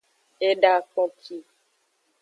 Eda kpoki.